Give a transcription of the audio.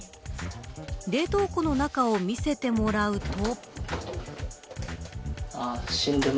冷凍庫の中を見せてもらうと。